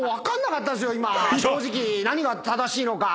今正直何が正しいのか。